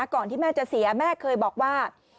ก่อนที่แม่จะเสียแม่เคยบอกว่า